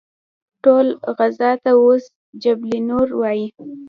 ټول غره ته اوس جبل نور وایي.